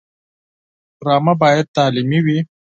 ډرامه باید تعلیمي وي